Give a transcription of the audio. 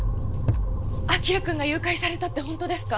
輝くんが誘拐されたって本当ですか？